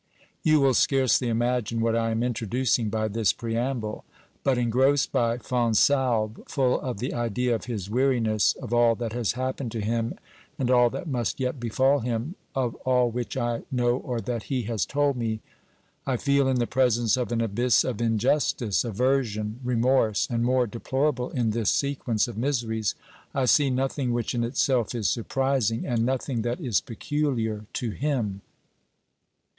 OBERMANN 369 You will scarcely imagine what I am introducing by this preamble, but engrossed by Fonsalbe, full of the idea of his weariness, of all that has happened to him and all that must yet befall him, of all which I know or that he has told me, I feel in the presence of an abyss of injustice, aversion, remorse and, more deplorable in this sequence of miseries, I see nothing which in itself is surprising and nothing that is peculiar to him.